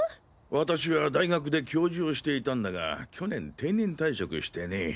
私は大学で教授をしていたんだが去年定年退職してね。